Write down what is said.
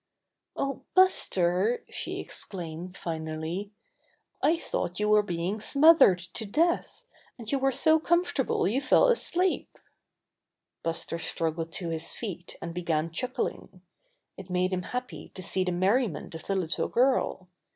"Oh, Buster," she exclaimed finally, "I thought you were being smothered to death, and you were so comfortable you fell asleep." Buster struggled to his feet and began chuckling. It made him happy to see the Buster Tries to Escape 113 merriment of the little girl.